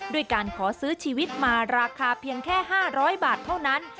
ด้วยการขอซื้อชีวิตมาราคาเพียงแค่๕๐๐บาทเท่านั้น